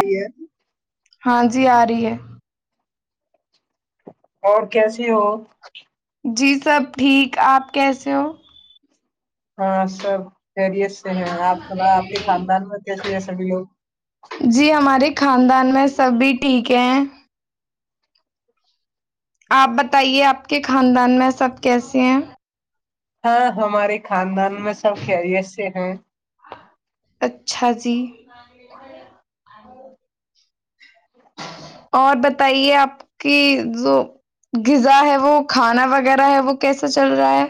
آئیے ہاں جی آ رہی ہے اور کیسے ہو جی سب ٹھیک آپ کیسے ہو ہاں سر خریت سے ہیں آپ سنا آپ کے خاندان میں کیسے ہے سبھی لوگ جی ہمارے خاندان میں سب بھی ٹھیک ہے آپ بتائیے آپ کے خاندان میں سب کیسے ہیں ہاں ہمارے خاندان میں سب خیریت سے ہیں اچھا جی ن [inaudible] اور بتائیے آپ کی جو غذا ہے وہ کھانا وغیرہ ہے وہ کیسا چل رہا ہے۔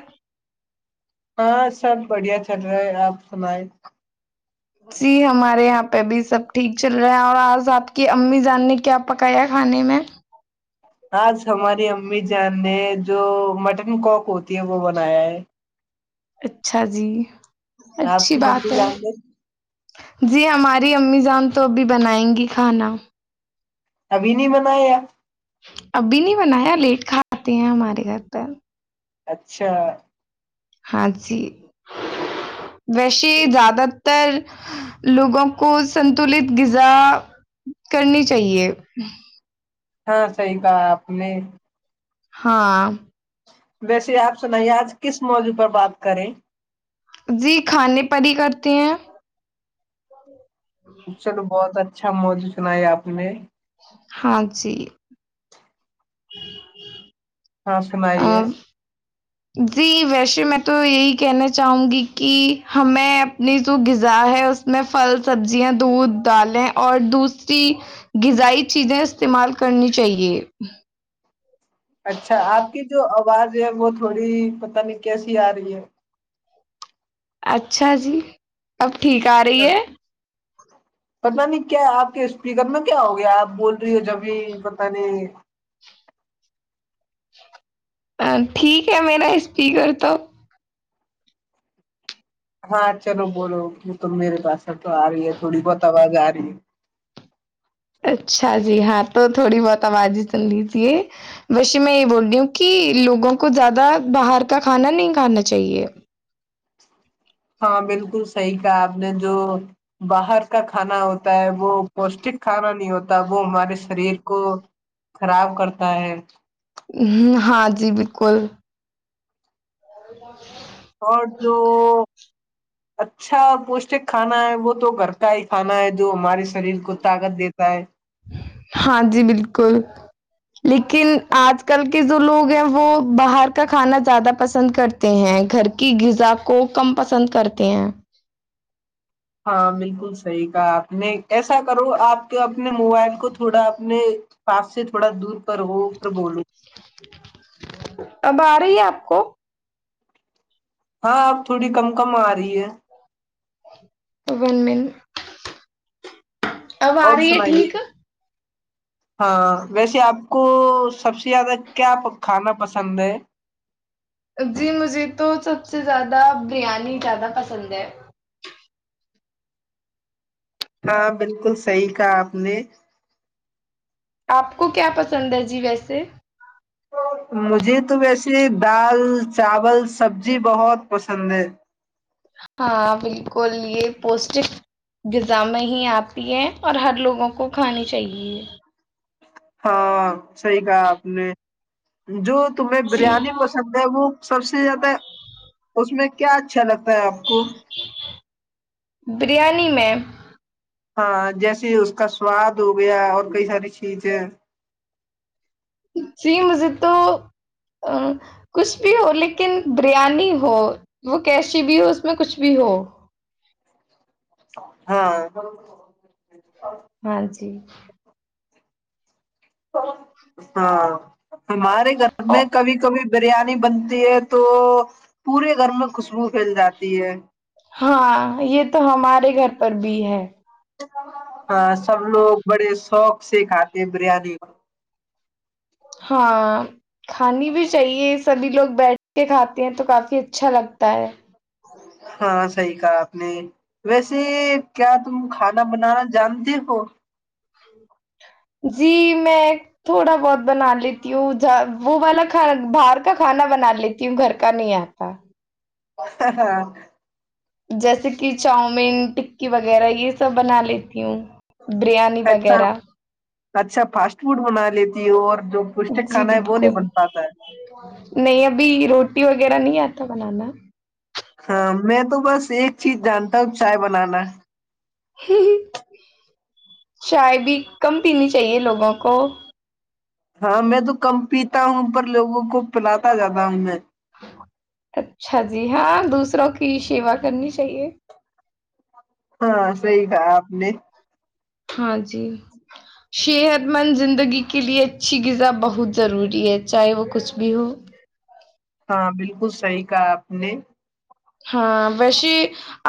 ہاں سب بڑھیا چل رہا ہے آپ سنائے ۔ جی ہمارے یہاں پہ بھی سب ٹھیک چل رہے ہیں اور آج آپ کی امی جان نے کیا پکایا کھانے میں۔ آج ہماری امی جان نے جو مٹن کوک ہوتی ہے وہ بنایا ہے۔ اچھا جی۔ آپ اچھی کی امی بات ہے جان نے ۔ جی ہماری امی جان تو ابھی بنائیں گی کھانا۔ ابھی نہیں بنایا ۔ ابھی نہیں بنایا لیٹ کھاتے ہیں ہمارے گھر پر۔ اچھا۔ ہاں جی۔ ویسے زیادہ تر۔ لوگوں کو سنتولت غذا کرنی چاہیے۔ ہاں صحیح کہا آپ نے۔ ہاں۔ ویسے آپ سنائیے آج کس موضو پر بات کریں۔ جی کھانے پ ہی کرتے ہیں۔ چلو بہت اچھا موجو سنائی آپ نے۔ ہاں جی۔ [unintelligible] اور آ، سنائیے۔ جی ویسے میں تو یہی کہنے چاہوں گی کہ۔ ہمیں اپنی جو غذا ہے اس میں پھل سبزیاں دودھ دالیں اور دوسری غذائی چیزیں استعمال کرنی چاہیے۔ اچھا آپ کے جو۔ آواز ہے وہ تھوڑی پتہ نہیں کیسی آ رہی ہے۔ اچھا جی ۔ ٹھیک آ رہی ہاں۔ ہے۔ پتہ نہیں کیا آپ کے اسپیکر میں کیا ہو گیا آپ بول رہی ہو جبھی پتہ نہیں۔ ٹھیک ہے میرا اسپیکر تو۔ ہاں چلو بولو کی تو میرے پاس تو آ رہی ہے تھوڑی بہت آواز آ رہی ہے۔ اچھا جی ہاں تو تھوڑی بہت آواز ہی سن لیجیے ویشے میں یہ بول رہی ہوں کہ لوگوں کو زیادہ باہر کا کھانا نہیں کھانا چاہیے۔ ہاں بالکل صحیح کہا آپ نے جو باہر کا کھانا ہوتا ہے وہ پوشٹک کھانا نہیں ہوتا وہ ہمارے شریر کو خراب کرتا ہے۔ ہاں جی بالکل۔ اور جو۔ اچھا پوشٹک کھانا ہے وہ تو گھر کا ہی کھانا ہے جو ہمارے۔ شریر کو طاقت دیتا ہے ہاں جی بالکل۔ لیکن آج کل۔ جو لوگ ہیں وہ باہر کا کھانا زیادہ پسند کرتے ہیں گھر کی غذا کو کم پسند کرتے ہیں۔ ہاں بالکل صحیح نہیں ایسا کرو آپ کے اب [unintelligible] اپنے موبائل کو تھوڑا اپنے پاپ سے تھوڑا دور پر وہ پرھر بولو [unintelligible] اب آ رہی ہے آپ کو ہاں اب تھوڑی کم کم آ رہی ہے ان مین [unintelligible] اب آ اور رہی ہے سنائیے ٹھیک ہاں ویسے آپ کو سب سے زیادہ کیا کھانا پسند ہے جی مجھے تو سب سے زیادہ بریانی زیادہ پسند ہے ہاں بالکل صحیح کہا آپ نے آپ کو کیا پسند ہے جی ویسے مجھے تو ویسے دال چاول سبزی بہت پسند ہے ہاں بالکل یہ پوسٹک غذامیں ہی آپتی ہیں اور ہر لوگوں کو کھانی چاہیے ہاں صحی کہا آپ نے جو تمہیں جی بریانی پسند ہے وہ سب سے زیادہ اس میں کیا اچھا لگتا ہے آپ کو بریانی میں ہاں جیسے اس کا سواد ہو گیا اور کئی ساری چیزیں جی مجھے تو کچھ بھی ہو لیکن بریانی ہو وہ کیشی بھی ہو اس میں کچھ بھی ہو ہاں [unintelligible] ہاں جی [unintelligible] ہاں [unintelligible] ہمارے گھر میں او- کبھی کبھی بریانی بنتی ہے تو پورے گھر میں خوشبو پھیل جاتی ہے [unintelligible] ہاں یہ تو ہمارے گھر پر بھی ہے ہ سب لوگ بڑے سوق سے کھاتے ہیں بریانی ہاں کھانی بھی چاہیے سبھی لوگ بیٹھ کے کھاتی ہیں تو کافی اچھا لگتا ہے ہاں صحی کہا آپ نے ویسے کیا تم کھانا بنانا جانتے ہو جی میں تھوڑا بہت بنا لیتی ہوں ج وہ والا کھانا باہر کا کھانا بنا لیتی ہوں گھر کا نہیں آتا ہاں جیسے کہ چاؤمین ٹکی وغیرہ یہ سب بنا لے وں بریانی اچھا وغیرہ اچھا فاسٹ فوڈ بنا لیتی ہوں اور جو پوشٹک جی کھانا ہے وہ نہیں بالکل بن پاتا ہے نہیں ابھی روٹی وغیرہ نہیں آتا بنانا ہاں میں تو بس ایک چیز جانتا ہوں چائے بنانا چائے بھی کم پینی چاہیے لوگوں کو ہاں میں تو کم پیتا ہوں پر لوگوں کو پلاتا جاتا ہوں میں اچھا جی ہاں دوسروں کی شیوا کرنی چاہیے ہاں صحیح کہا اپ نے ہاں جی صحت مند زندگی کے لیے اچھی غذا بہت ضروری ہے چاہے وہ کچھ بھی ہو ہاں بالکل صحیح کہا آپ نے ہاں ویسے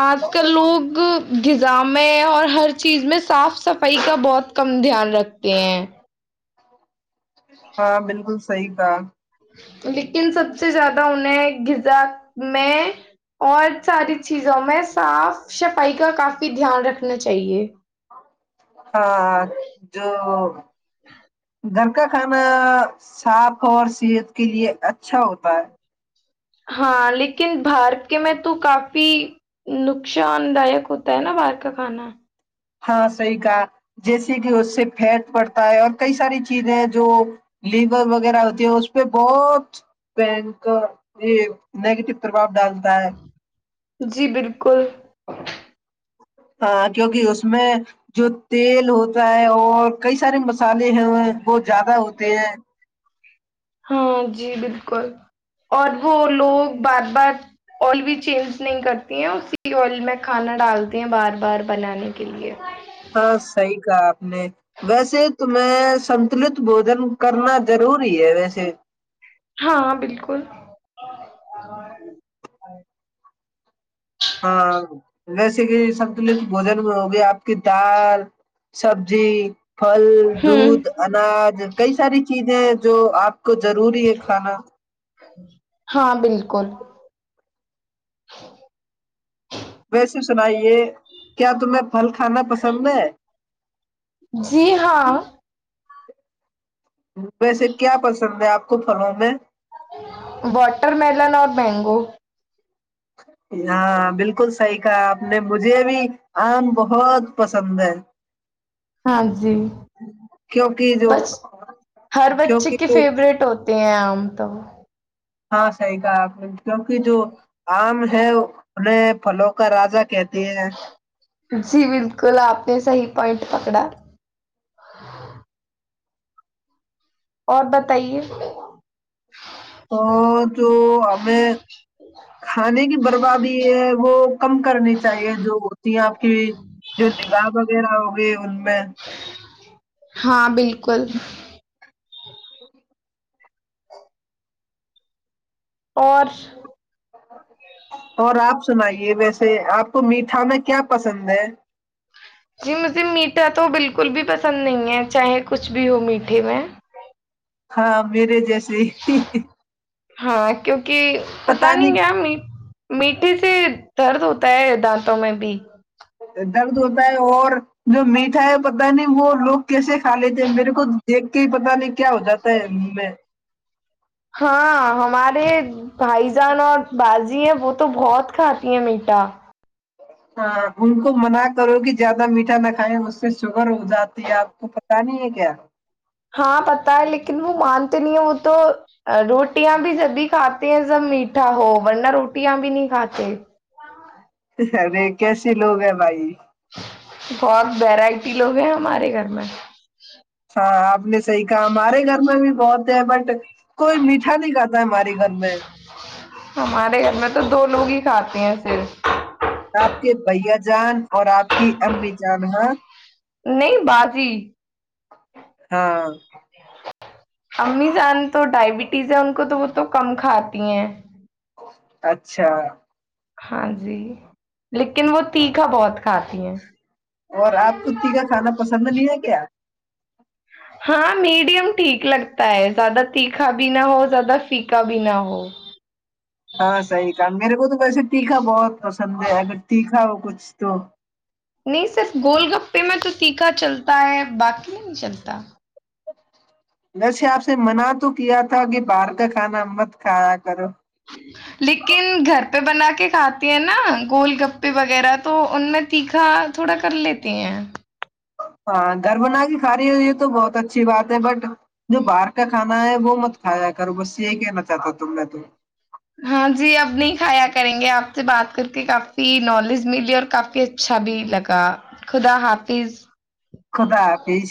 آج کل لوگ غذا میں اور ہر چیز میں صاف صفائی کا بہت کم دھیان رکھتے ہیں ہاں بالکل صحیح تھا لیکن سب سے زیادہ انہیں غذا میں اور ساری چیزوں میں صاف صفائی کا کافی دھیان رکھنا چاہیے ہاں جو گھر کا کھانا صاف اور صحت کے لیے اچھا ہوتا ہے ہاں لیکن بار کے میں تو کافی نقصان داائک ہوتا ہے نا باہر کا کھانا ہاں صحی کا جیسے کہ اس سے پھیٹ پڑتا تا اور کئی ساری چیزیں جو لیور وغیرہ ہوتی ہے اس پہ بہت پ یہ نیگیٹو پربؤ ڈالتا ہے جی بالکل ہاں کیونکہ اس میں جو تیل ہوتا ہے اور کئی سارے مس مسالے ہیں وہ بہت زیادہ ہوتے ہیں ہاں جی بالکل اور وہ لوگ بار بار آئل بھی چینج نہیں کرتی ہیں اسی آئل میں کھانا ڈالتے ہیں بار بار بنانے کے لیے ہاں صحیح کہا آپ نے ویسے میں سنتلت بوجن کرنا ضروری ہے ویسے ہاں بالکل ہاں سب بجنوگے [unintelligible] آپ کی دال سبزی پھل ہوں دھ اناج کئی ساری چیزیں جو آپ کو ضروری ہے کھانا ہاں بالکل ویسے سنائیے کیا تمہیں پھل کھانا پسند ہے جی ہاں ویسے کیا پسند ہے آپ کو پھلوں میں واٹر ملن اور مینگو ہاں بالکل صحی کہا آپ نے مجھے بھی آم بہت پسند ہے ہاں جی کیونکہ جو بس ہر بچے کیونکہ کے جو فیورورٹ ہوتے ہیں آم ہاں تو ہاں صحیح کہاپ نے کیونکہ جو آم ہے انہیں پھلوں کا راجا کہتے ہیں جی بالکل آپ نے صحی پوائنٹ پکڑا اور بتائیے اور جو ہمیں کھانے کی بربادی ہے وہ کم کرنی چاہیے جو ہوتی ہیں آپ کی جو نگار وغیرہ [inaudible] ہاں بالکل اور اور آپ سنائیے ویسے آپ کو میٹھا میں کیا پسند ہے؟ جی مجھے میٹھا تو بالکل بھی پسند نہیں ہے چاہے کچھ بھی ہو میٹھے میں ہاں میرے جیسے ہاں کیونکہ کہ پتا نہیں کیا امی میٹھے سے درد ہوتا ہے دانتوں میں بھی درد ہوتا ہے اور جو میٹھا ہے پتا نہیں وہ لوگ کیسے کھا لیتے ہیں میرے کو دیکھ کے ہی پتا نہیں کیا ہو جاتا ہے ان میں ہاں ہمارے بھائی جان اور باجی ہے وہ تو بہت کھاتی ہیں میٹھا ہاں ان کو منع کرو کہ زیادہ میٹھا نہ کھائےیں اس سے شوگر ہو جاتی ہے آپ کو پت نہیں ہے کیا ہاں پتا ہے لیکن وہ مانتے نہیں ہیں وہ تو روٹیاں بھی جب بھی کھاتے ہیں سب میٹھا ہو ورنہ روٹیاں بھی نہیں کھاتے ارے کیسے لوگ ہیں بھائی بہت ویرائٹی لوگ ہیں ہمارے گھر میں ہاں آپ نے صحیح کہا ہمارے گھر میں بھی بہت ہے بٹ کوئی میٹھا نہیں کھاتا ہے ہمارے گھر میں ہمارے گھر میں تو دو لوگ ہی کھاتے ہیں صرف آپ کے بھیا جی جان اور آپ کی امی جان ہا نہیں باجی ہاں امی جان تو ڈائبٹیز ہے ان کو تو وہ تو کم کھاتی ہیں اچھا ہاں جی لیکن وہ تیکا بہت کھاتی ہیں اور آپ کتی کا کھانا پسند نہیں ہے کیا ہاں میڈیم ٹھیک لگتا ہے زیادہ تیکھا بھی نہ ہو زیادہ فیکا بھی نہ ہو ہاں صحیح کہا میرے کو تو ویسے تیکھا بہت پسند ہے اگر تیکھا ہو کچھ تو نہیں صرف گول گپے میں تو تیکھا چلتا ہے باقی میں نہیں چلتا ویسے آپ سے منع تو کیا تھا کہ باہر کا کھانا مت کھایا کرو لیکن گھر گے بنا کے کھاتے ہیں نا گول گپے وغیرہ تو ان میں تیکھا تھوڑا کر لیتے ہیں ہاں گھر بنا ساریے ہوئیئے تو بہت اچھا اچھی بات ہے بٹ جو باہر کا کھانا ہے وہ مت کھایا کروں بس یہ کہنا چاہتا ت میں تو ہاں جی اب نہیں کھایا کریں گے آپ سے بات کر کے کافی نالج ملی اور کافی اچھا بھی لگا خدا حافظ خدا حافظ